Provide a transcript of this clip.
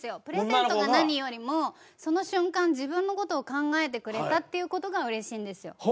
プレゼントが何よりもその瞬間自分の事を考えてくれたっていう事がうれしいんですよ。